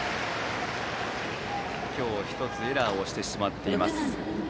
今日１つエラーをしてしまっています。